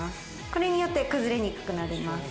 これによって崩れにくくなります。